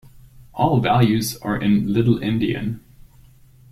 All values are in little-endian.